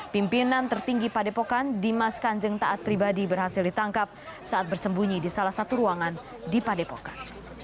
pimpinan tertinggi pada epokan dimas kanjeng taat pribadi berhasil ditangkap saat bersembunyi di salah satu ruangan di pada epokan